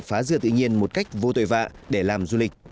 phá dừa tự nhiên một cách vô tuệ vạ để làm du lịch